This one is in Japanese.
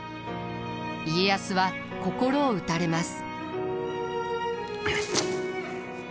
家康は心を打たれます。